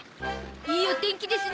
いいお天気ですな。